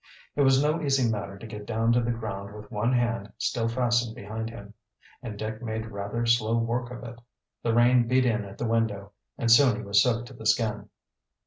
It was no easy matter to get down to the ground with one hand still fastened behind him, and Dick made rather slow work of it. The rain beat in at the window, and soon he was soaked to the skin.